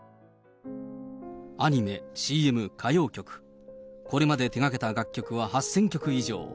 アニメ、ＣＭ、歌謡曲、これまで手がけた楽曲は８０００曲以上。